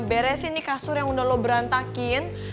beresin nih kasur yang udah lo berantakin